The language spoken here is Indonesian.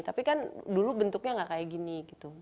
tapi kan dulu bentuknya nggak kayak gini gitu